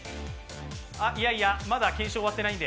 いやいや、まだ検証終わっていないので。